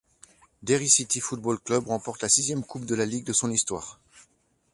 Derry City Football Club remporte la sixième coupe de la Ligue de son histoire.